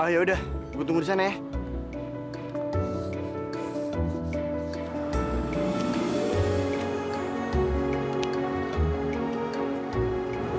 ya udah gue tunggu di sana ya